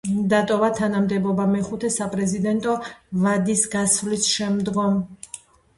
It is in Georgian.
დატოვა თანამდებობა მეხუთე საპრეზიდენტო ვადის გასვლის შემდგომ.